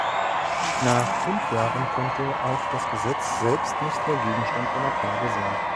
Nach fünf Jahren konnte auch das Gesetz selbst nicht mehr Gegenstand einer Klage sein.